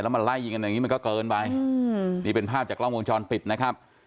มันไล่ยิงกันอย่างนี้มันก็เกินไปนี่เป็นภาพจากกล้องวงจรปิดนะครับ